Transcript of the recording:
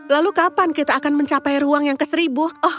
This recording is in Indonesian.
lalu kapan kita akan mencapai ruang yang keseribu